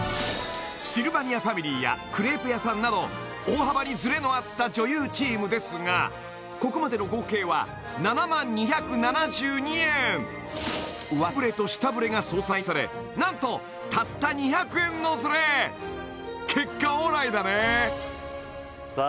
シルバニアファミリーやクレープ屋さんなど大幅にズレのあった女優チームですがここまでの合計は７０２７２円上ブレと下ブレが相殺され何とたった２００円のズレ結果オーライだねさあ